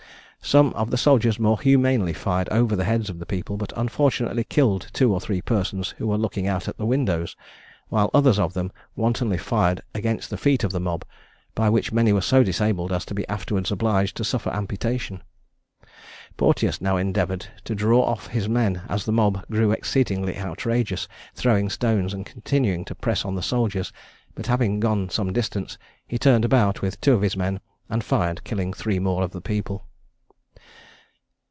Some of the soldiers more humanely fired over the heads of the people, but unfortunately killed two or three persons who were looking out at the windows; while others of them wantonly fired amongst the feet of the mob, by which many were so disabled as to be afterwards obliged to suffer amputation. Porteous now endeavoured to draw off his men, as the mob grew exceedingly outrageous, throwing stones, and continuing to press on the soldiers; but having gone some distance, he turned about with two of his men and fired, killing three more of the people.